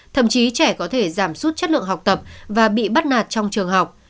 thậm chí trẻ có thể giảm suốt chất lượng học tập và bị bắt nạt trong trường học